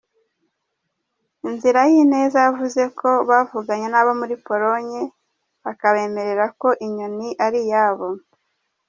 Inzirayineza yavuze ko bavuganye n’abo muri Pologne bakabemerera ko inyoni ari iyabo.